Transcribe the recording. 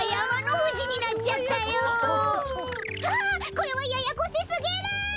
これはややこしすぎる！